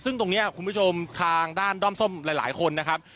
ซึ่งตรงนี้คุณผู้ชมทางด้านด้อมส้มหลายคนนะครับ